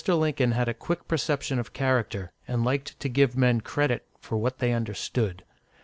Lincoln had a quick perception of character, and liked to give men credit for what they understood.